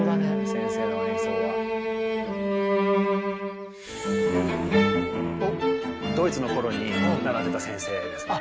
先生の演奏は。ドイツの頃に習ってた先生ですね。